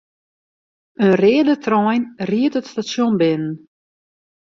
In reade trein ried it stasjon binnen.